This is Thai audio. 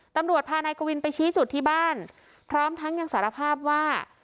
ตำรวจพานายกวินไปชี้จุดที่บ้านพร้อมทั้งยังสารภาพว่า